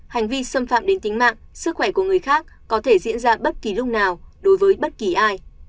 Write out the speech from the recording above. hành vi xâm phạm đến tính mạng sức khỏe của người khác có thể diễn ra bất kỳ lúc nào đối với bất kỳ ai